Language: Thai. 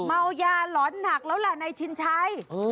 เมายาหลอนหนักแล้วล่ะนายชินชัย